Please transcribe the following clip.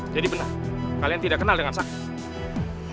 jadi benar kalian tidak kenal dengan sakti